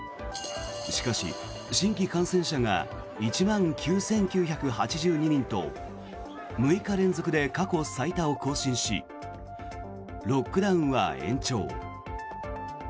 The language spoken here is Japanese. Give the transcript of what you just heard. しかし新規感染者が１万９９８２人と６日連続で過去最多を更新しロックダウンは延長。